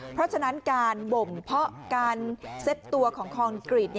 เพราะฉะนั้นการบ่มเพาะการเซ็ตตัวของคอนกรีต